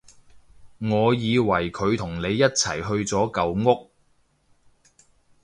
我以為佢同你一齊去咗舊屋